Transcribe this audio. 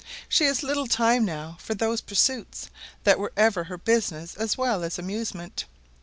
She has little time now for those pursuits that were ever her business as well as amusement.